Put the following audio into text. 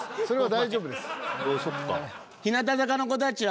それは大丈夫です。